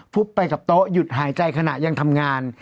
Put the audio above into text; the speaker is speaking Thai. ไปกับโต๊ะหยุดหายใจขณะยังทำงาน